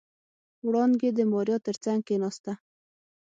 وړانګې د ماريا تر څنګ کېناسته.